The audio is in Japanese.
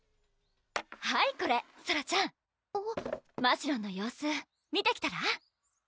はいこれソラちゃんましろんの様子見てきたら？